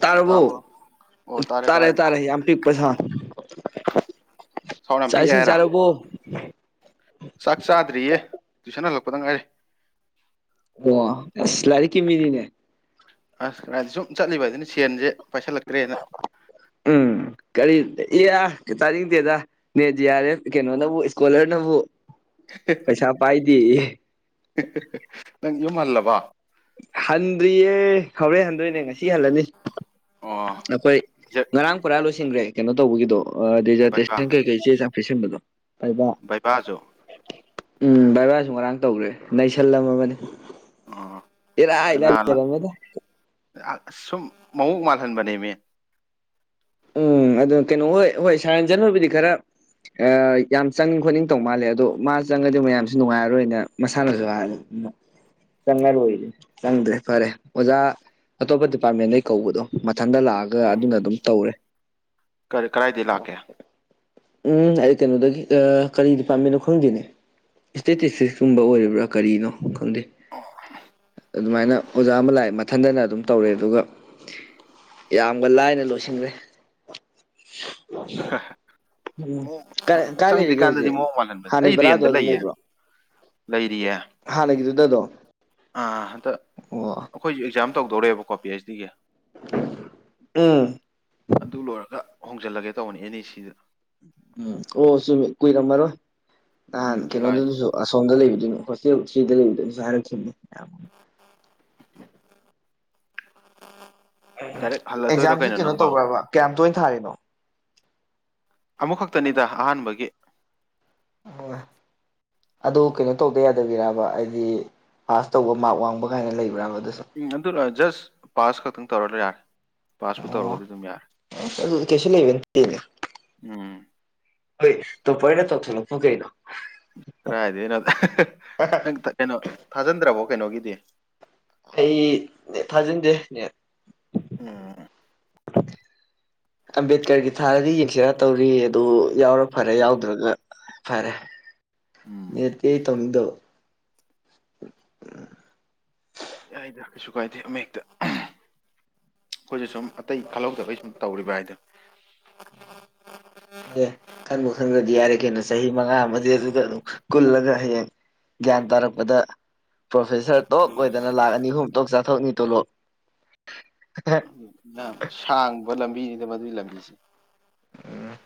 ꯇꯥꯔꯔꯕꯣ ꯇꯥꯔꯦ ꯇꯥꯔꯦ ꯌꯥꯝ ꯄꯤꯛꯄꯩ ꯁꯥꯥ ꯁꯥꯎꯔ ꯄꯤꯛꯑꯦ ꯍꯥꯏꯔ ꯆꯥꯔꯕꯣ ꯆꯥꯛ ꯆꯥꯗ꯭ꯔꯤꯌꯦ ꯇꯨꯏꯁꯟ ꯍꯜꯂꯛꯄꯗ ꯉꯥꯏꯔꯦ ꯑꯣ ꯑꯁ ꯂꯥꯏꯔꯤꯛꯀꯤꯃꯤꯅꯤꯅꯦ ꯑꯁ ꯁꯨꯝ ꯆꯠꯂꯤꯕ ꯑꯗꯨꯅ ꯁꯦꯟꯁꯦ ꯄꯥꯏꯁꯜꯂꯛꯇ꯭ꯔꯦꯅ ꯎꯝ ꯀꯔꯤ ꯇꯥꯥꯅꯤꯡꯗꯦꯗ ꯅꯦꯠ ꯖꯤ ꯑꯔ ꯀꯩꯅꯣꯅꯕꯨ ꯏꯁꯀꯣꯂꯔꯅꯕꯨ ꯄꯩꯁꯥ ꯄꯥꯏꯗꯤ ꯅꯪ ꯌꯨꯝ ꯍꯜꯂꯕ ꯍꯟꯗ꯭ꯔꯤꯌꯦ ꯍꯧꯔꯦꯟ ꯍꯟꯗꯣꯏꯅꯦ ꯉꯁꯤ ꯍꯜꯂꯅꯤ ꯑꯣ ꯅꯈꯣꯏ ꯉꯔꯥꯡ ꯄꯨꯔꯥ ꯂꯣꯏꯁꯤꯟꯈ꯭ꯔꯦ ꯀꯩꯅꯣ ꯇꯧꯕꯒꯤꯗꯣ ꯑ ꯕꯩꯕꯥ ꯗꯦꯖꯔꯇꯦꯁꯟ ꯀꯩꯀꯩ ꯆꯦ ꯆꯥꯡ ꯄꯤꯁꯤꯟꯕꯗꯣ ꯕꯥꯏꯕ ꯕꯩꯕꯥꯁꯨ ꯎꯝ ꯕꯩꯕꯥꯁꯨ ꯉꯔꯥꯡ ꯇꯧꯈ꯭ꯔꯦ ꯅꯩꯁꯜ ꯂꯝꯃꯕꯅꯦ ꯑꯣ ꯀꯅꯥ ꯂꯥꯛ ꯂꯩꯔꯝꯃꯦꯗ ꯁꯨꯝ ꯃꯑꯣꯡ ꯃꯥꯜꯍꯟꯕꯅꯦꯃꯤ ꯎꯝ ꯑꯗꯨ ꯀꯩꯅꯣ ꯍꯣꯏ ꯍꯣꯏ ꯁꯥꯔ ꯔꯟꯖꯟ ꯍꯣꯏꯕꯨꯗꯤ ꯈꯔ ꯑ ꯌꯥꯝ ꯆꯪꯅꯤꯡ ꯈꯣꯠꯅꯤꯡ ꯇꯧ ꯃꯥꯜꯂꯦ ꯑꯗꯣ ꯃꯥ ꯆꯪꯉꯗꯤ ꯃꯌꯥꯝꯁꯨ ꯅꯨꯡꯉꯥꯏꯔꯔꯣꯏꯅ ꯃꯁꯥꯅꯁꯨ ꯍꯥꯏ [unintelligible] ꯆꯪꯉꯔꯣꯏꯒꯦ ꯆꯪꯗ꯭ꯔꯦ ꯐꯔꯦ ꯑꯣꯖꯥ ꯑꯇꯣꯞꯄ ꯗꯤꯄꯥꯔꯠꯃꯦꯟꯗꯩ ꯀꯧꯕꯗꯣ ꯃꯊꯟꯇ ꯂꯥꯛꯑꯒ ꯑꯗꯨꯅ ꯑꯗꯨꯝ ꯇꯧꯔꯦ ꯀꯔꯤ ꯀꯗꯥꯏꯗꯩ ꯂꯥꯛꯀꯦ ꯎꯝ ꯑꯩ ꯀꯩꯅꯣꯗꯒꯤ ꯑ ꯀꯔꯤ ꯗꯤꯄꯥꯔꯠꯃꯦꯟꯅꯣ ꯈꯪꯗꯦꯅꯦ ꯎꯝ ꯏꯁꯇꯦꯇꯤꯁꯇꯤꯛꯁꯀꯨꯝꯕ ꯑꯣꯏꯔꯤꯕ꯭ꯔꯥ ꯀꯔꯤꯅꯣ ꯈꯪꯗꯦ ꯑꯣ ꯑꯗꯨꯃꯥꯏꯅ ꯑꯣꯖꯥ ꯑꯃ ꯂꯥꯛꯑꯦ ꯃꯊꯟꯗꯅ ꯑꯗꯨꯝ ꯇꯧꯔꯦ ꯑꯗꯨꯒ ꯌꯥꯝꯅ ꯂꯥꯏꯅ ꯂꯣꯏꯁꯤꯟꯒ꯭ꯔꯦ ꯎꯝ ꯃꯑꯣꯡ ꯀꯥꯏ ꯂꯩꯔꯤꯒꯦ ꯆꯪꯗ꯭ꯔꯤꯀꯥꯟꯗꯗꯤ ꯍꯧꯖꯤꯛ ꯃꯑꯣꯡ ꯃꯥꯜꯍꯟꯕꯅꯦ ꯑꯩ ꯍꯥꯟꯅꯒꯤ ꯕꯔꯥꯗꯨ ꯔꯦꯟꯗ ꯑꯗꯨꯝ ꯂꯩꯌꯦ ꯂꯩꯕ꯭ꯔꯣ ꯂꯩꯔꯤꯌꯦ ꯍꯥꯟꯅꯒꯤꯗꯨꯗ ꯑꯗꯨꯝ ꯑꯥ ꯍꯟꯇꯛ ꯑꯣ ꯑꯩꯈꯣꯏꯁꯨ ꯑꯦꯛꯖꯥꯝ ꯇꯧꯗꯣꯔꯦꯕꯀꯣ ꯄꯤ ꯑꯩꯆ ꯗꯤꯒꯤ ꯎꯝ ꯑꯗꯨ ꯂꯣꯏꯔꯒ ꯍꯣꯡꯖꯤꯜꯂꯒꯦ ꯇꯧꯕꯅꯤ ꯑꯦꯟ ꯑꯦ ꯁꯤꯗ ꯎꯝ ꯑꯣ ꯆꯨꯝꯃꯤ ꯀꯨꯏꯔꯝꯃꯔꯣꯏ ꯎꯝ ꯅꯍꯥꯟ ꯖꯨꯂꯥꯏ ꯀꯩꯅꯣꯗꯨꯗꯁꯨ ꯑꯁꯣꯝꯗ ꯂꯩꯕꯗꯨꯅ ꯍꯣꯁꯇꯦꯜ ꯊ꯭ꯔꯤꯗ ꯂꯩꯕꯗꯨꯅꯁꯨ ꯍꯥꯏꯔꯛꯈꯤꯕꯅꯤ ꯌꯥꯝ [inaudible] ꯎꯝ ꯗꯥꯏꯔꯦꯛ ꯍꯜꯂꯗꯣꯏꯔꯣ ꯑꯦꯛꯖꯥꯝꯁꯤ ꯀꯩꯅꯣ ꯅꯪꯕꯣ ꯇꯧꯕꯔ꯭ꯕ ꯀꯌꯥꯝ ꯇꯣꯏꯅ ꯊꯥꯔꯤꯅꯣ ꯑꯃꯨꯛꯈꯛꯇꯅꯤꯗ ꯑꯍꯥꯟꯕꯒꯤ ꯍꯣꯏ ꯑꯗꯣ ꯀꯩꯅꯣ ꯇꯧꯗ ꯌꯥꯗꯕꯤꯔꯕ ꯍꯥꯏꯗꯤ ꯄꯥꯁ ꯇꯧꯕ ꯃꯥ꯭ꯔꯛ ꯋꯥꯡꯕ ꯀꯥꯏꯅ ꯂꯩꯕ꯭ꯔꯥꯕ ꯑꯗꯨꯁꯨ ꯎꯝ ꯑꯗꯨꯔ ꯖꯁ ꯄꯥꯁ ꯈꯛꯇꯪ ꯇꯧꯔ ꯌꯥꯔꯦ ꯄꯥꯁꯄꯨ ꯑꯣ ꯇꯧꯔꯒꯗꯤ ꯑꯗꯨꯝ ꯌꯥꯔꯦ ꯑꯗꯨ ꯀꯩꯁꯨ ꯂꯩꯕ ꯅꯠꯇꯦꯅꯦ ꯎꯝ ꯍꯣꯏ ꯇꯣꯄꯔꯅ ꯇꯧꯊꯣꯛꯂꯛꯄꯨ ꯀꯩꯅꯣ ꯀꯔꯥꯏ ꯗꯩꯅꯣꯗ ꯅꯪ ꯀꯩꯅꯣ ꯊꯥꯖꯟꯗ꯭ꯔꯕꯣ ꯀꯩꯅꯣꯒꯤꯗꯤ ꯑꯩ ꯅꯦ ꯊꯥꯖꯤꯟꯗꯦ ꯅꯦꯠ ꯎꯝ ꯑꯝꯕꯦꯠꯀꯔꯒꯤ ꯊꯥꯔꯗꯤ ꯌꯦꯡꯁꯤꯔ ꯇꯧꯔꯤꯌꯦ ꯑꯗꯨ ꯌꯥꯎꯔ ꯐꯔꯦ ꯌꯥꯎꯗ꯭ꯔꯒ ꯐꯔꯦ ꯎꯝ ꯅꯦꯠ ꯇꯤ ꯑꯩ ꯇꯧꯅꯤꯡꯗꯕ ꯎꯝ ꯌꯥꯏꯗ ꯀꯩꯁꯨ ꯀꯥꯏꯗꯦ ꯑꯃꯍꯦꯛꯇ ꯑꯩꯈꯣꯏꯁꯨ ꯁꯨꯝ ꯑꯇꯩ ꯈꯜꯍꯧꯗꯕꯩ ꯁꯨꯝ ꯇꯧꯔꯤꯕ ꯍꯥꯏꯗꯨꯅꯤ ꯑꯦ ꯈꯟꯕꯨ ꯈꯟꯈꯔ꯭ꯗꯤ ꯌꯥꯔꯦ ꯀꯩꯅꯣ ꯆꯍꯤ ꯃꯉꯥ ꯑꯃꯗꯤ ꯑꯗꯨꯗ ꯑꯗꯨꯝ ꯀꯨꯜꯂꯒ ꯍꯌꯦꯡ ꯒ꯭ꯌꯥꯟ ꯇꯥꯔꯛꯄꯗ ꯄ꯭ꯔꯣꯐꯦꯁꯔ ꯇꯣꯛ ꯑꯣꯏꯗꯅ ꯂꯥꯛ ꯑꯅꯤ ꯑꯍꯨꯝ ꯇꯣꯛ ꯆꯥꯊꯣꯛꯅꯤ ꯇꯣꯂꯣꯞ ꯌꯥꯝ ꯁꯥꯡꯕ ꯂꯝꯕꯤꯅꯤꯗ ꯃꯗꯨꯏ ꯂꯝꯕꯤꯁꯦ ꯎꯝ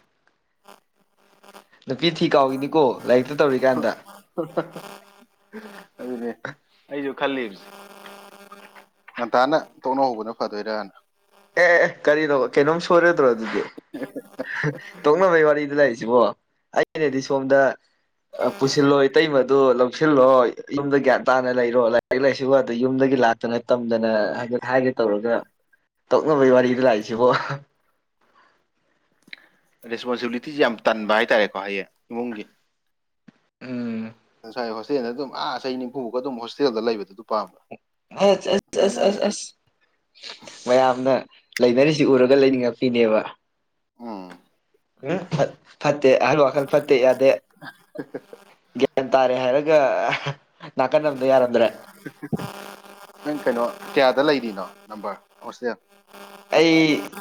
[unintelligible] ꯅꯨꯄꯤ ꯊꯤ ꯀꯥꯎꯒꯤꯅꯤꯀꯣ ꯂꯥꯏꯔꯤꯛꯇ ꯇꯧꯔꯤꯀꯥꯟꯗ [unintelligible] ꯑꯗꯨꯅꯦ ꯑꯩꯖꯨ ꯈꯜꯂꯤꯕꯁꯦ ꯉꯟꯇꯥꯅ ꯇꯣꯛꯅ ꯍꯧꯕꯅ ꯐꯥꯗꯣꯏꯔꯥꯅ ꯑꯦ ꯑꯦ ꯀꯔꯤꯅꯣ ꯀꯩꯅꯣꯝ ꯁꯣꯏꯔꯗ꯭ꯔꯣ ꯑꯗꯨꯗꯤ ꯇꯣꯛꯅꯕꯩ ꯋꯥꯔꯤꯗ ꯂꯩꯥꯛꯏꯁꯤꯕꯣ ꯑꯩ ꯑꯩꯅꯗꯤ ꯁꯣꯝꯗ ꯄꯨꯁꯤꯜꯂꯣ ꯏꯇꯩꯃꯗꯨ ꯂꯧꯁꯤꯜꯂꯣ ꯌꯨꯝꯗ ꯒ꯭ꯌꯥꯟ ꯇꯥꯅ ꯂꯩꯔꯣ ꯂꯥꯏꯔꯤꯛ ꯂꯥꯏꯁꯨꯒꯗꯣ ꯌꯨꯝꯗꯒꯤ ꯂꯥꯛꯇꯅ ꯇꯝꯗꯅ ꯍꯥꯏ ꯍꯥꯏꯒꯦ ꯇꯧꯔꯒ ꯇꯣꯛꯅꯕꯩ ꯋꯥꯔꯤꯗ ꯂꯥꯛꯏꯁꯤꯕꯣ ꯔꯦꯁꯄꯣꯟꯁꯤꯕꯤꯂꯤꯇꯤꯁꯤ ꯌꯥꯝ ꯇꯟꯕ ꯍꯥꯏꯇꯥꯔꯦꯀꯣ ꯍꯌꯦꯡ ꯏꯃꯨꯡꯒꯤ ꯎꯝ ꯉꯁꯥꯏ ꯍꯣꯁꯇꯦꯜꯗ ꯑꯗꯨꯝ ꯑꯥ ꯆꯍꯤ ꯅꯤꯐꯨꯃꯨꯛꯀꯥ ꯑꯗꯨꯝ ꯍꯣꯁꯇꯦꯜꯗ ꯂꯩꯕꯗꯨ ꯑꯗꯨ ꯄꯥꯝꯕ ꯑꯥ ꯑꯁ ꯅꯨꯄꯤ ꯑꯁ ꯑꯉꯥꯡ ꯑꯁ ꯅꯠꯇꯦ. ꯑꯁ ꯃꯌꯥꯝꯅ ꯂꯩꯅꯔꯤꯁꯤ ꯎꯔꯒ ꯂꯩꯅꯤꯡꯉꯛꯄꯤꯅꯦꯕ ꯎꯝ ꯎꯝ ꯐꯠ ꯐꯠꯇꯦ ꯑꯍꯜ ꯋꯥꯈꯜ ꯐꯠꯇꯦ ꯌꯥꯗꯦ ꯒ꯭ꯌꯥꯟ ꯇꯥꯔꯦ ꯍꯥꯏꯔꯒ ꯅꯥꯀꯟ ꯑꯝꯗ ꯌꯥꯔꯝꯗ꯭ꯔꯦ [unintelligible] ꯅꯪ ꯀꯩꯅꯣ ꯀꯤꯌꯥꯗ ꯂꯩꯔꯤꯅꯣ ꯅꯝꯕꯔ ꯍꯣꯁꯇꯦꯜ ꯑꯩ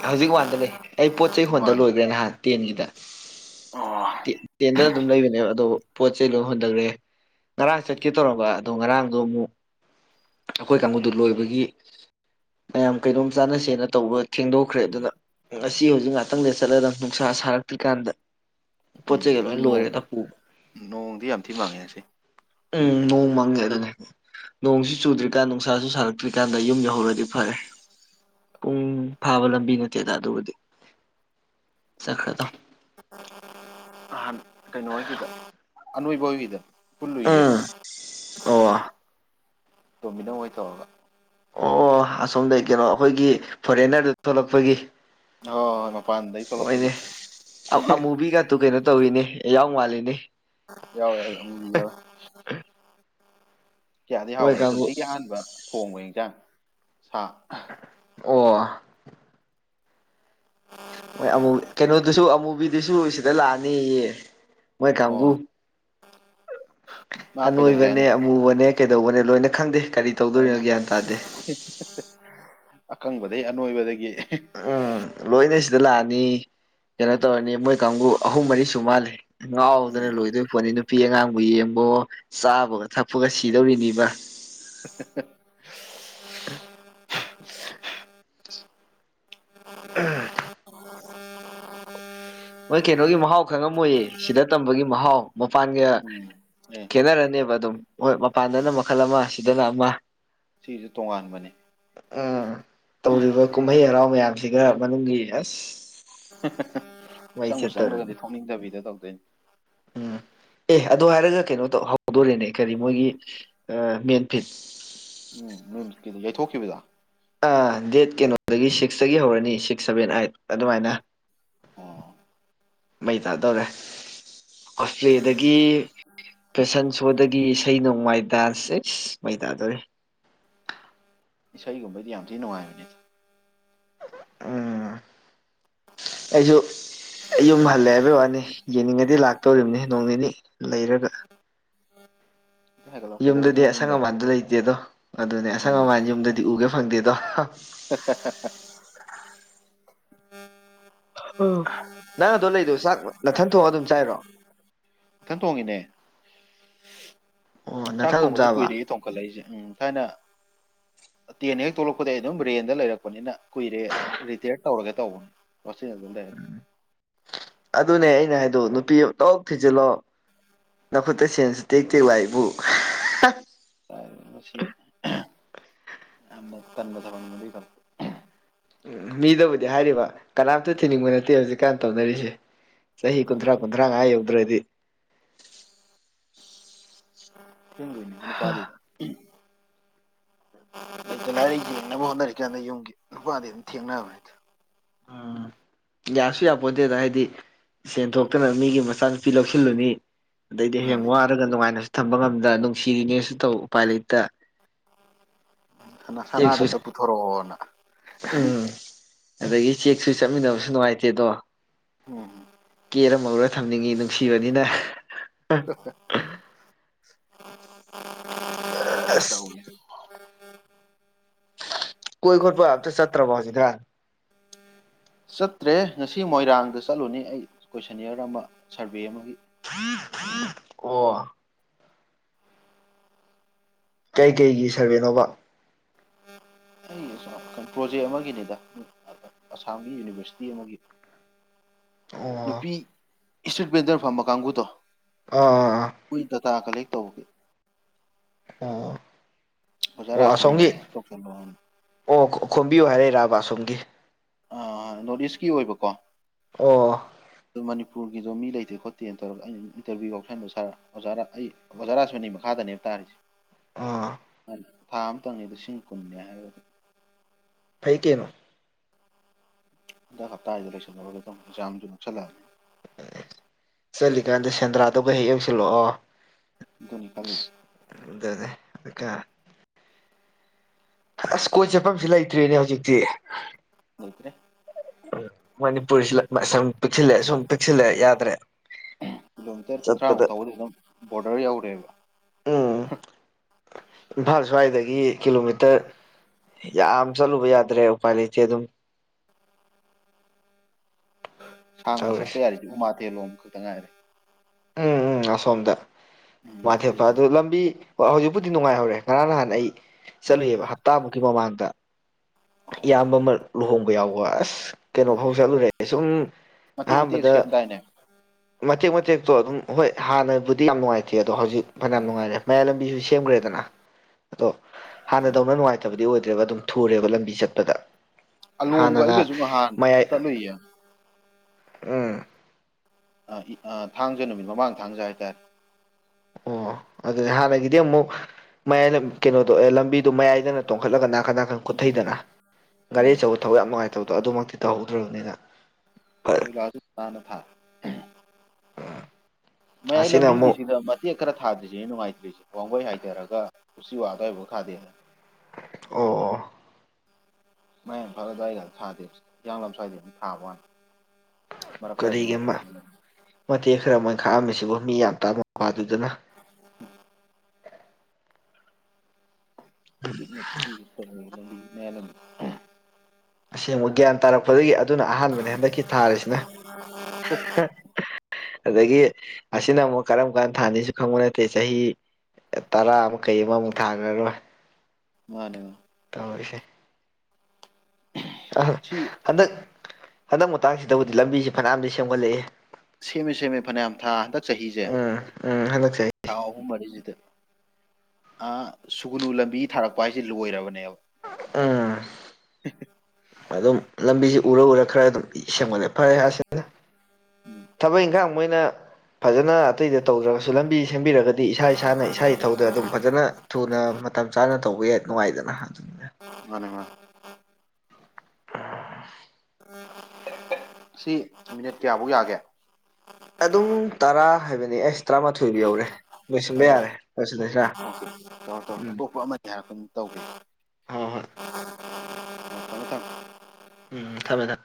ꯍꯧꯖꯤꯛ ꯋꯥꯟꯗ ꯂꯩ ꯑꯩ ꯄꯣꯠ ꯆꯩ ꯍꯣꯟꯗ ꯋꯥꯟꯗ ꯂꯣꯏꯈ꯭ꯔꯦ ꯅꯍꯥꯟ ꯇꯦꯟꯒꯤꯗ ꯑꯣ ꯇꯦꯟ ꯇꯦꯟꯗ ꯑꯗꯨꯝ ꯂꯩꯕꯅꯦꯕ ꯑꯗꯣ ꯄꯣꯠ ꯆꯩ ꯂꯣꯏ ꯍꯣꯟꯗꯒ꯭ꯔꯦ ꯉꯔꯥꯡ ꯆꯠꯀꯦ ꯇꯧꯔꯕ ꯑꯗꯣ ꯉꯔꯥꯡꯗꯣ ꯑꯃꯨꯛ ꯑꯩꯈꯣꯏ ꯀꯥꯡꯕꯨꯗꯨ ꯂꯣꯏꯕꯒꯤ ꯃꯌꯥꯝ ꯀꯩꯅꯣꯝ ꯆꯥꯅ ꯁꯦꯅ ꯇꯧꯕ ꯊꯦꯡꯗꯣꯛꯈ꯭ꯔꯦ ꯑꯗꯨꯅ ꯉꯁꯤ ꯍꯧꯖꯤꯛ ꯉꯥꯛꯇꯪ ꯂꯩꯔꯒ ꯆꯠꯂꯗꯣꯏꯅꯤ ꯅꯨꯡꯁꯥ ꯁꯥꯔꯛꯇ꯭ꯔꯤꯀꯥꯟꯗ ꯄꯣꯠ ꯎꯝ ꯆꯩꯒ ꯁꯤ ꯂꯣꯏ ꯅꯣꯡ ꯂꯣꯏꯔꯦꯗ ꯄꯨꯕ ꯅꯣꯡꯗꯤ ꯌꯥꯝ ꯊꯤ ꯃꯪꯉꯦ ꯉꯁꯤ ꯎꯝ ꯅꯣꯡ ꯃꯪꯉꯦ ꯑꯗꯨꯅꯦ ꯅꯣꯡꯁꯨ ꯆꯨꯗ꯭ꯔꯤꯀꯥꯟꯗ ꯅꯨꯡꯁꯥꯁꯨ ꯁꯥꯔꯛꯇ꯭ꯔꯤꯀꯥꯟꯗ ꯌꯨꯝ ꯌꯧꯍꯧꯔꯗꯤ ꯐꯔꯦ ꯄꯨꯡ ꯐꯥꯕ ꯂꯝꯕꯤ ꯅꯠꯇꯦꯗ ꯑꯗꯨꯕꯨꯗꯤ ꯆꯠꯈ꯭ꯔꯗꯧꯅꯤ ꯑꯍꯥꯟ ꯀꯩꯅꯣꯍꯣꯏꯒꯤꯗ ꯑꯅꯣꯏꯕ ꯍꯣꯏꯒꯤꯗ ꯄꯨꯜꯂꯨꯏꯌꯦ ꯎꯝ ꯑꯣ ꯇꯣꯝꯕꯤꯅꯧ ꯋꯣꯏ ꯇꯧꯔꯒ ꯑꯣ ꯑꯁꯣꯝꯗꯒꯤ ꯀꯩꯅꯣ ꯑꯩꯈꯣꯏꯒꯤ ꯐꯣꯔꯦꯟꯅꯔꯗꯨ ꯊꯣꯛꯂꯛꯄꯒꯤ ꯑꯣ ꯍꯣꯏ ꯃꯄꯥꯟꯗꯒꯤ ꯊꯣꯛꯂꯛꯄꯒꯤ ꯑꯗꯨ ꯀꯩꯅꯣ ꯇꯧꯋꯅꯦ ꯌꯥꯎ ꯃꯥꯜꯂꯤꯅꯦ ꯌꯥꯎꯋꯦ ꯎꯝ ꯌꯥꯎꯋꯦ ꯀꯌꯥꯗꯤ ꯃꯣꯏ ꯍꯥꯎꯈ꯭ꯔꯦ ꯀꯥꯡꯕꯨ ꯄꯨꯟꯁꯤꯒꯤ ꯑꯍꯥꯟꯕ ꯊꯣꯡꯕ ꯌꯦꯟꯁꯥꯡ ꯁꯥ ꯑꯣ ꯃꯣꯏ ꯑꯃꯨꯜ ꯀꯩꯅꯣꯗꯨꯁꯨ ꯑꯃꯨꯕꯤꯗꯨꯁꯨ ꯁꯤꯗ ꯂꯥꯛꯑꯅꯤꯌꯦ ꯃꯣꯏ ꯑꯣ ꯀꯥꯡꯕꯨꯨ ꯃꯥ ꯀꯩꯗꯧꯒꯦ ꯑꯅꯣꯏꯕꯅꯦ ꯍꯥꯏꯅꯣ ꯑꯃꯨꯕꯅꯦ ꯀꯩꯗꯧꯕꯅꯦ ꯂꯣꯏꯅ ꯈꯪꯗꯦ ꯀꯔꯤ ꯇꯧꯗꯣꯏꯅꯣ ꯂꯣꯏꯅ ꯒ꯭ꯌꯥꯟ ꯇꯥꯗꯦ ꯑꯀꯪꯕꯗꯒꯩ ꯑꯅꯣꯏꯕꯗꯒꯤ ꯎꯝ ꯂꯣꯏꯅ ꯁꯤꯗ ꯂꯥꯛꯑꯅꯤ ꯀꯩꯅꯣ ꯇꯧꯔꯅꯤ ꯃꯣꯏ ꯀꯥꯡꯕꯨ ꯑꯍꯨꯝ ꯃꯔꯤꯁꯨ ꯃꯥꯜꯂꯤ ꯉꯥꯎꯗꯅ ꯎꯝ ꯂꯣꯏꯗꯣꯏ ꯄꯣꯠꯅꯤ ꯅꯨꯄꯤ ꯑꯉꯥꯡꯕꯨ ꯌꯦꯡꯕꯣ ꯆꯥꯕꯒ ꯊꯛꯄꯒ ꯁꯤꯗꯧꯔꯤꯅꯤꯕ [unintelligible] ꯑ ꯃꯣꯏ ꯀꯩꯅꯣꯒꯤ ꯃꯍꯥꯎ ꯈꯪꯉꯝꯃꯣꯏꯌꯦ ꯁꯤꯗ ꯇꯝꯕꯒꯤ ꯃꯍꯥꯎ ꯃꯄꯥꯟꯒ ꯎꯝ ꯑꯦ ꯈꯦꯠꯅꯔꯅꯦꯕ ꯑꯗꯨꯝ ꯍꯣꯏ ꯃꯄꯥꯟꯗꯅ ꯃꯈꯜ ꯑꯃ ꯁꯤꯗꯅ ꯑꯃ ꯁꯤꯁꯨꯦ ꯇꯣꯉꯥꯟꯕꯅꯤ ꯎꯝ ꯇꯧꯔꯤꯕ ꯀꯨꯝꯍꯩ ꯍꯔꯥꯎ ꯃꯌꯥꯝꯁꯤꯒ ꯃꯅꯨꯡꯒꯤ ꯑꯁ ꯃꯩ ꯆꯪꯕꯨ ꯆꯠꯇꯧꯔꯤꯅꯤ ꯆꯪꯈ꯭ꯔꯒꯗꯤ ꯊꯣꯛꯅꯤꯡꯗꯕꯤꯗ ꯇꯧꯗꯣꯏꯅꯤ ꯎꯝ ꯑꯦ ꯑꯗꯣ ꯍꯥꯏꯔꯒ ꯀꯩꯅꯣ ꯇꯧ ꯍꯧꯗꯣꯔꯦꯅꯦ ꯀꯔꯤ ꯃꯣꯏꯒꯤ ꯃꯦꯟ ꯐꯤꯠ ꯎꯝ ꯃꯦꯟꯐꯤꯠꯀꯤꯗꯣ ꯌꯩꯊꯣꯛꯈꯤꯕꯗ ꯑꯥ ꯗꯦꯠ ꯀꯩꯅꯣꯗꯒꯤ ꯁꯤꯛꯁꯇꯒꯤ ꯍꯧꯔꯅꯤ ꯁꯤꯛꯁ ꯁꯚꯦꯟ ꯑꯥꯏꯠ ꯑꯗꯨꯃꯥꯏꯅ ꯑꯣ ꯃꯩ ꯇꯥꯗꯧꯔꯦ [unintelligible] ꯗꯒꯤ ꯐꯦꯁꯟ ꯁꯣꯗꯒꯤ ꯏꯁꯩ ꯅꯣꯡꯃꯥꯏ ꯗꯥꯟꯁ ꯏꯁ ꯃꯩ ꯇꯥꯗꯨꯔꯦ ꯏꯁꯩꯒꯨꯝꯕꯒꯤꯗꯤ ꯌꯥꯝ ꯊꯤꯅ ꯅꯨꯡꯉꯥꯏꯕꯅꯦ ꯎꯝ ꯑꯩꯁꯨ ꯌꯨꯝ ꯍꯜꯂꯦ ꯍꯥꯏꯕꯩ ꯋꯥꯅꯤ ꯌꯦꯡꯅꯤꯡꯉꯗꯤ ꯂꯥꯛꯇꯧꯔꯤꯕꯅꯤ ꯅꯣꯡ ꯅꯤꯅꯤ ꯂꯩꯔꯒ ꯑꯗꯨ ꯍꯥꯏꯒꯠꯂꯣ ꯌꯨꯝꯗꯗꯤ ꯀꯩꯗꯧꯔꯗꯣꯏꯅꯣ ꯌꯨꯝ ꯑꯁꯪ ꯂꯩ ꯑꯃꯥꯟꯗꯣ ꯂꯩꯇꯦꯗꯣ ꯑꯗꯨꯅꯦ ꯑꯁꯪ ꯎꯝ ꯑꯃꯥꯟ ꯌꯨꯝꯗꯗꯤ ꯎꯒꯦ ꯐꯪꯗꯦꯗꯣ [unintelligible] ꯑ ꯅꯪ ꯑꯗꯣ ꯂꯩꯗꯣ ꯆꯥꯛ ꯅꯊꯟ ꯊꯣꯡꯑ ꯑꯗꯨꯝ ꯆꯥꯏꯔꯣ ꯏꯊꯟ ꯊꯣꯡꯉꯤꯅꯦ ꯑꯣ ꯆꯥꯛ ꯅꯊꯟ ꯑꯗꯨꯝ ꯊꯣꯡꯕꯁꯦ ꯆꯥꯕ ꯀꯨꯏꯔꯦꯍꯦ ꯊꯣꯡꯈꯠꯂꯛꯏꯁꯦ ꯎꯝ ꯊꯥꯏꯅ ꯇꯦꯟ ꯍꯦꯛ ꯊꯣꯛꯂꯛꯄꯗꯒꯤꯩ ꯑꯩ ꯑꯗꯨꯝ ꯔꯦꯟꯗ ꯂꯩꯔꯛꯄꯅꯤꯅ ꯀꯨꯏꯔꯦ ꯔꯤꯇꯌꯔ ꯇꯧꯔꯒꯦ ꯇꯧꯕꯅꯤ ꯍꯣꯁꯇꯦꯜ [unintelligible] ꯑꯗꯨꯅꯦ ꯑꯩꯅ ꯍꯥꯏꯗꯣ ꯅꯨꯄꯤ ꯑꯃ ꯇꯣꯛ ꯊꯤꯖꯤꯜꯂꯣ ꯅꯈꯨꯠꯇ ꯁꯦꯟꯁꯨ ꯇꯦꯛ ꯇꯦꯛ ꯂꯥꯛꯏꯕꯨ ꯃꯁꯤ ꯌꯥꯝꯅ ꯇꯟꯕ ꯊꯕꯛꯅꯤ ꯑꯗꯨꯏ ꯊꯕꯛ ꯎꯝ ꯃꯤꯗꯕꯨꯗꯤ ꯍꯥꯏꯔꯤꯕ ꯀꯅꯥꯝꯇ ꯊꯤꯅꯤꯡꯕ ꯅꯠꯇꯦ ꯍꯧꯖꯤꯛꯀꯥꯟ ꯇꯧꯅꯔꯤꯁꯦ꯫ ꯆꯍꯤ ꯃꯥꯅꯦ ꯀꯨꯟꯊ꯭ꯔꯥ ꯀꯨꯟꯊ꯭ꯔꯥꯉꯥ ꯌꯧꯗ꯭ꯔꯗꯤ꯫ ꯑꯁꯦꯡꯕꯩꯅꯦ ꯅꯨꯄꯥꯗꯤ ꯂꯩꯇ ꯂꯥꯏꯔ ꯌꯦꯡꯅꯕ ꯍꯣꯠꯅꯔꯤ ꯀꯥꯟꯗ ꯌꯨꯝꯒꯤ ꯅꯨꯄꯥꯗꯤ ꯑꯗꯨꯝ ꯊꯦꯡꯅꯕꯅꯦ꯫ ꯎꯝ ꯌꯥꯁꯨ ꯌꯥꯄꯣꯠꯇꯦꯗ ꯍꯥꯏꯗꯤ ꯁꯦꯟ ꯊꯣꯛꯇꯅ ꯃꯤꯒꯤ ꯃꯆꯥꯅꯨꯄꯤ ꯂꯧꯁꯤꯜꯂꯨꯅꯤ ꯑꯗꯩꯗꯤ ꯍꯌꯦꯡ ꯃꯥꯅꯦ ꯋꯥꯔꯒ ꯅꯨꯡꯉꯥꯏꯅꯁꯨ ꯊꯝꯕ ꯉꯝꯗ ꯅꯨꯡꯁꯤꯔꯤꯅꯦꯁꯨ ꯇꯧ ꯎꯄꯥꯏ ꯂꯩꯇ꯫ ꯁꯅꯥ ꯁꯅꯥꯗꯨ ꯆꯦꯛꯁꯨ ꯑꯝꯇ ꯄꯨꯊꯣꯔꯛꯑꯣꯅ ꯎꯝ ꯑꯗꯒꯤ ꯆꯦꯛꯁꯨ ꯆꯠꯃꯤꯟꯅꯕꯁꯨ ꯅꯨꯡꯉꯥꯏꯇꯦꯗꯣ ꯎꯝ ꯀꯦꯔꯝꯃꯒ ꯊꯝꯅꯤꯡꯉꯤ ꯅꯨꯡꯁꯤꯕꯅꯤꯅ [inaudible] ꯑꯁ [unintelligible] [inaudible] ꯀꯣꯏ ꯈꯣꯠꯄ ꯑꯝꯇ ꯆꯠꯇ꯭ꯔꯕꯣ ꯍꯧꯖꯤꯛꯀꯥꯟ ꯆꯠꯇ꯭ꯔꯦ ꯉꯁꯤ ꯃꯣꯏꯔꯥꯡꯗ ꯆꯠꯂꯨꯅꯤ ꯑꯩ ꯀꯣꯏꯁꯅꯤꯌꯔ ꯑꯃ ꯁꯔꯚꯦ ꯑꯃꯒꯤ ꯑꯣ ꯀꯩ ꯀꯩꯒꯤ ꯁꯔꯚꯦꯅꯣꯕ ꯑꯩ [unintelligible] ꯄ꯭ꯔꯣꯖꯦꯛ ꯑꯃꯒꯤꯅꯤꯗ ꯑꯁꯥꯝꯒꯤ ꯌꯨꯅꯤꯚꯔꯁꯤꯇꯤ ꯑꯃꯒꯤ ꯑꯣ ꯅꯨꯄꯤ ꯏꯁꯇ꯭ꯔꯤꯠ ꯕꯦꯟꯗꯔ ꯐꯝꯕ ꯀꯥꯡꯒꯨꯗꯣ ꯑꯥ ꯑꯥ ꯑꯥ ꯍꯨꯏ ꯗꯇꯥ ꯀꯂꯦꯛ ꯇꯧꯒꯤ ꯑꯥ ꯑꯣ ꯑꯣꯖꯥꯔꯥꯁꯃꯅꯤꯅ ꯑꯁꯣꯝꯒꯤ [unintelligible] ꯑꯣ ꯈꯣꯝꯕꯤꯌꯨ ꯍꯥꯏꯔꯛꯏꯔꯥꯕꯥ ꯑꯁꯣꯝꯒꯤ ꯑ ꯅꯣꯔꯠ ꯏꯁꯀꯤ ꯑꯣꯏꯕꯀꯣ ꯑꯣ ꯑꯗꯨ ꯃꯅꯤꯄꯨꯔꯒꯤꯗꯣ ꯃꯤ ꯂꯩꯇꯦ ꯈꯣꯠꯇꯦꯅ ꯇꯧꯔꯒ ꯑꯩꯅ ꯏꯟꯇꯔꯚ꯭ꯌꯨ ꯌꯥꯎꯁꯟꯕ ꯁꯥꯔ ꯑꯣꯖꯥꯔꯥ ꯑꯩ ꯑꯣꯖꯥꯔꯥꯁꯃꯅꯤ ꯃꯈꯥꯗꯅꯦꯕ ꯇꯥꯔꯤꯁꯦ ꯑꯥ ꯊꯥ ꯑꯃꯇꯪꯅꯤ ꯂꯤꯁꯤꯡ ꯀꯨꯟꯅꯦ ꯍꯥꯏꯕ ꯐꯩ ꯀꯩꯅꯣ ꯍꯟꯗꯛ ꯍꯞꯇꯥꯖꯤꯗ ꯂꯣꯏꯁꯟ ꯍꯧꯔꯒꯦ ꯇꯧꯅꯦ ꯑꯦꯛꯖꯥꯝꯁꯨ ꯅꯛꯁꯜꯂꯛ ꯑꯝꯅꯤ ꯆꯠꯂꯤꯀꯥꯟꯗ ꯁꯦꯟꯗ꯭ꯔꯥꯗꯧꯕꯩ ꯍꯦꯛ ꯌꯧꯁꯤꯜꯂꯣꯛꯑꯣ ꯑꯗꯨꯅꯤ ꯈꯜꯂꯤ ꯑꯗꯨꯅꯤ ꯑꯀꯥ ꯑꯁ ꯀꯣꯏ ꯆꯠꯐꯝꯁꯤ ꯂꯩꯇ꯭ꯔꯦꯅꯦ ꯍꯧꯖꯤꯛꯇꯤ ꯂꯩꯇ꯭ꯔꯦ ꯎꯃ ꯃꯅꯤꯄꯨꯔꯁꯤꯂꯛ ꯃꯥ ꯁꯨꯝ ꯄꯤꯛꯁꯤꯜꯂꯑꯦ ꯁꯨꯝ ꯄꯤꯛꯁꯤꯜꯂꯛꯑꯦ ꯌꯥꯗ꯭ꯔꯦ ꯀꯤꯂꯣꯃꯤꯇꯔ ꯆꯠꯄꯗ [unintelligible] ꯕꯣꯔꯗꯔ ꯌꯧꯔꯦꯕ ꯎꯝ ꯍꯥ ꯏꯝꯐꯥꯜ ꯁ꯭ꯋꯥꯏꯗꯒꯤ ꯀꯤꯂꯣꯃꯤꯇꯔ ꯌꯥꯝ ꯆꯠꯂꯨꯕ ꯌꯥꯗ꯭ꯔꯦ ꯎꯄꯥꯏ ꯂꯩꯇꯦ ꯑꯗꯨꯝ ꯁꯥꯡꯅ ꯆꯠꯄ ꯇꯧꯔꯤꯁꯦ ꯌꯥꯔꯤꯗꯤ ꯎꯃꯥꯊꯦꯜꯂꯣꯝ ꯈꯛꯇ ꯉꯥꯏꯔꯦ ꯎꯝ ꯎꯝ ꯑꯁꯣꯝꯗ ꯎꯝ ꯃꯥꯊꯦꯠꯄ ꯑꯇꯩꯗꯤ ꯑꯗꯨ ꯂꯝꯕꯤ ꯍꯧꯖꯤꯛꯄꯨꯗꯤ ꯅꯨꯡꯉꯥꯏꯍꯧꯔꯦ ꯉꯔꯥꯡ ꯅꯍꯥꯟ ꯑꯩ ꯆꯠꯂꯨꯌꯦꯕ ꯍꯞꯇꯥꯃꯨꯛꯀꯤ ꯃꯃꯥꯡꯗ ꯏꯌꯥꯝꯕ ꯑꯃ ꯂꯨꯍꯣꯡꯕ ꯌꯥꯎꯕ ꯑꯁ ꯀꯩꯅꯣ ꯐꯥꯎ ꯎꯝ ꯆꯠꯂꯨꯔꯦ ꯁꯨꯝ ꯃꯇꯦꯛ ꯃꯇꯦꯛ ꯑꯍꯥꯝꯕꯗꯥ ꯁꯦꯝꯗꯥꯏꯅꯦ ꯃꯇꯦꯛ ꯃꯇꯦꯛꯇꯣ ꯑꯗꯨꯝ ꯍꯣꯏ ꯍꯥꯟꯅꯕꯨꯗꯤ ꯌꯥꯝ ꯅꯨꯡꯉꯥꯏꯇꯦ ꯑꯗꯣ ꯍꯧꯖꯤꯛ ꯐꯅꯥ ꯅꯨꯡꯉꯥꯏꯔꯦ ꯃꯌꯥꯏ ꯂꯝꯕꯤꯁꯨ ꯁꯦꯝꯒꯔꯦꯗꯅ ꯑꯗꯣ ꯍꯥꯟꯅꯗꯧꯅ ꯅꯨꯡꯉꯥꯏꯇꯕꯗꯤ ꯑꯣꯏꯗ꯭ꯔꯦꯕ ꯑꯗꯨꯝ ꯊꯨꯔꯦꯕ ꯂꯝꯕꯤ ꯆꯠꯄꯗ ꯑꯂꯣꯝꯒ ꯍꯥꯟꯅꯅ ꯑꯩꯒꯁꯨ ꯅꯍꯥꯟ ꯃꯌꯥꯏ [inaudible] ꯎꯝ ꯑꯥ ꯏ ꯑꯥ ꯊꯥꯡꯖ ꯅꯨꯃꯤꯠ ꯃꯃꯥꯡ ꯊꯥꯡꯖ ꯍꯥꯏꯇꯥꯏ ꯑꯣ ꯑꯗꯨꯗꯤ ꯍꯥꯟꯅꯒꯤꯗꯤ ꯑꯃꯨꯛ ꯃꯌꯥꯏꯅ ꯀꯩꯅꯣꯗꯣ ꯑꯦ ꯂꯝꯕꯤꯗꯣ ꯃꯌꯥꯏꯗꯅ ꯇꯣꯡꯈꯠꯂꯒ ꯅꯥꯀꯟ ꯅꯥꯀꯟ ꯀꯨꯊꯩꯗꯅ ꯒꯥꯔꯤ ꯎꯝ ꯑꯆꯧꯕ ꯊꯧꯕ ꯌꯥꯝ ꯉꯥꯏꯇꯕꯗꯣ ꯑꯗꯨꯃꯛꯇꯤ ꯇꯧꯍꯧꯗ꯭ꯔꯕꯅꯤꯅ ꯐꯔꯦ ꯃꯥꯅ ꯐꯥ ꯃꯌꯥꯏ ꯑꯁꯤꯅ ꯑꯃꯨꯛ ꯂꯝꯕꯤꯒꯤꯁꯤꯗ ꯃ ꯇꯦꯛ ꯈꯔ ꯊꯥꯗ꯭ꯔꯤꯁꯤꯅꯦ ꯅꯨꯡꯉꯥꯏꯇ꯭ꯔꯤꯁꯦ ꯋꯥꯡꯒꯣꯏ ꯍꯥꯏꯊꯔꯒ ꯎꯆꯤꯋꯥ ꯑꯗꯥꯏꯕꯧ ꯈꯥꯗꯦꯅꯦ ꯑꯣ ꯑꯣ ꯃꯌꯥꯡ ꯏꯝꯐꯥꯜ ꯑꯗꯨ꯭ꯋꯥꯏꯒꯗ ꯊꯥꯗꯦ ꯍꯤꯌꯥꯡ ꯂꯝ ꯁ꯭ꯋꯥꯗ ꯑꯗꯨꯝ ꯊꯕ ꯋꯥꯅꯤ ꯃꯔꯛ ꯈꯔꯗꯤ ꯀꯔꯤꯒꯤ ꯑꯃ ꯅꯨꯡꯉꯥꯏꯇꯦ ꯃꯇꯦꯛ ꯈꯔ ꯃ ꯈꯥꯛꯑꯝꯃꯤꯁꯤꯕꯨ ꯃꯤ ꯌꯥꯝ ꯇꯥꯕ ꯋꯥꯗꯨꯗꯅ [inaudible] [unintelligible] ꯑꯁꯦꯡꯕ ꯒ꯭ꯌꯥꯟ ꯇꯥꯔꯛꯄꯗꯒꯤ ꯑꯗꯨꯅ ꯑꯍꯥꯟꯕꯅꯦ ꯍꯟꯗꯛꯀꯤ ꯊꯥꯔꯤꯁꯤꯅ ꯑꯗꯒꯤ ꯑꯁꯤꯅ ꯑꯃꯨꯛ ꯀꯔꯝ ꯀꯥꯟ ꯊꯥꯅꯤꯁꯨ ꯈꯪꯕ ꯅꯠꯇꯦ ꯆꯍꯤ ꯇꯔꯥ ꯑꯃ ꯀꯩ ꯑꯃꯃꯨꯛ ꯊꯥꯈ꯭ꯔꯔꯣꯏ ꯃꯥꯅꯦ ꯇꯧꯔꯤꯁꯦ ꯑ ꯁꯤ ꯍꯟꯗꯛ ꯍꯟꯗꯛ ꯃꯇꯥꯡꯁꯤꯗꯕꯨꯗꯤ ꯂꯝꯕꯤꯁꯦ ꯐꯅꯌꯥꯝꯗꯤ ꯁꯦꯝꯒꯠꯂꯛꯑꯦ ꯁꯦꯝꯃꯦ ꯁꯦꯝꯃꯦ ꯐꯅꯌꯥꯝ ꯊꯥ ꯍꯟꯗꯛ ꯆꯍꯤꯖꯦ ꯎꯝ ꯎꯝ ꯍꯟꯗꯛ ꯆꯍꯤ ꯊꯥ ꯑꯍꯨꯝ ꯃꯔꯤꯁꯤꯗ ꯑ ꯁꯨꯒꯨꯅꯨ ꯂꯝꯕꯤ ꯊꯥꯔꯛꯄ ꯍꯥꯏꯁꯦ ꯂꯣꯏꯔꯕꯅꯦꯕ ꯎꯝ [unintelligible] ꯑꯗꯨꯝ ꯂꯝꯕꯤꯁꯤ ꯎꯔ ꯎꯔ ꯈꯔ ꯑꯗꯨꯝ ꯁꯦꯝꯒꯠꯂꯦ ꯐꯔꯦ ꯑꯁꯤꯅ ꯎꯝ ꯊꯕꯛ ꯏꯪꯈꯥꯡ ꯃꯣꯏꯅ ꯐꯖꯅ ꯑꯇꯩꯗ ꯇꯧꯗ꯭ꯔꯒꯁꯨ ꯂꯝꯕꯤ ꯁꯦꯝꯕꯤꯔꯒꯗꯤ ꯏꯁꯥ ꯏꯁꯥꯅ ꯏꯁꯥ ꯏꯊꯧꯗ ꯑꯗꯨꯝ ꯐꯖꯅ ꯊꯨꯅ ꯃꯇꯝ ꯆꯥꯅ ꯇꯧꯕ ꯌꯥꯏ ꯅꯨꯡꯉꯥꯏꯗꯅ ꯃꯥꯅꯤ ꯃꯥꯅꯤ ꯁꯤ ꯃꯤꯅꯤꯠ ꯀꯌꯥꯕꯧ ꯌꯥꯒꯦ ꯑꯗꯨꯝ ꯇꯔꯥ ꯍꯥꯏꯕꯅꯤ ꯑꯁ ꯎꯝ ꯂꯣꯏ ꯂꯣꯏꯁꯤꯜꯂꯁꯤꯔꯥ ꯇꯣ ꯑꯇꯣꯞꯄ ꯑꯃ ꯌꯥ ꯑꯗꯨꯝ ꯇꯧꯒꯦ ꯍ ꯍꯣꯏ [inaudible] ꯊꯝꯃꯦ ꯎꯝ ꯊꯝꯃꯦ ꯊꯝꯃꯦ